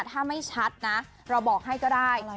ถ้าไม่ชัดนะเราบอกให้ก็ได้